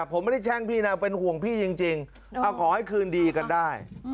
ผมไม่ได้แช่งพี่นะเป็นห่วงพี่จริงขอให้คืนดีกันได้